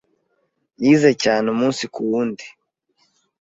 Yize cyane umunsi kuwundi.